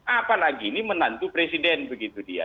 apalagi ini menantu presiden begitu dia